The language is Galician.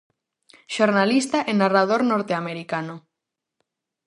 Xornalista e narrador norteamericano.